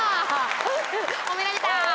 褒められた。